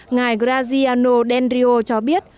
ngài graziano dendrio cho biết